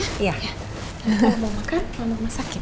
kalau mau makan mama mama sakit